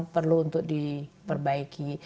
yang perlu untuk diperbaiki